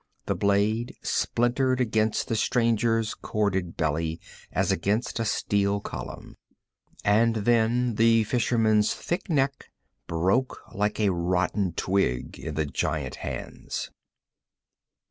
The blade splintered against the stranger's corded belly as against a steel column, and then the fisherman's thick neck broke like a rotten twig in the giant hands.